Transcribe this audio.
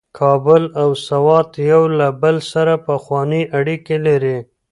کابل او سوات یو له بل سره پخوانۍ اړیکې لري.